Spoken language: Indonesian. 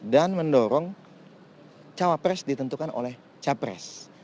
dan mendorong capres ditentukan oleh capres